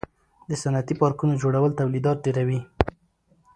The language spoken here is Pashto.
د صنعتي پارکونو جوړول تولیدات ډیروي.